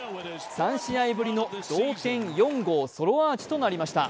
３試合ぶりの同点４号ソロアーチとなりました。